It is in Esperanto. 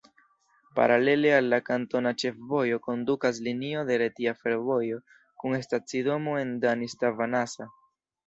Paralele al la kantona ĉefvojo kondukas linio de Retia Fervojo kun stacidomo en Danis-Tavanasa.